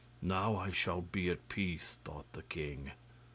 'Now I shall be at peace,' thought the king.